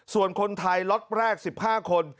ส่วนคนไทยล็อตแรก๑๕คน